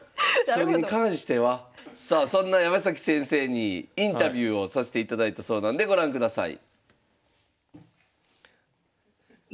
さあそんな山崎先生にインタビューをさせていただいたそうなんでご覧ください。